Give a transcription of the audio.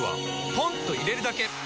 ポンと入れるだけ！